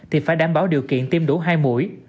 thì phải đảm bảo điều kiện tiêm đủ hai mũi